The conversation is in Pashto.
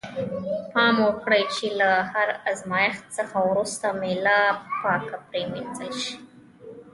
پام وکړئ چې له هر آزمایښت څخه وروسته میله پاکه پرېمینځل شي.